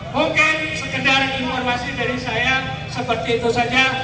bukan sekedar informasi dari saya seperti itu saja